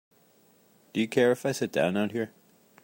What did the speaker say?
Do you care if I sit down out here?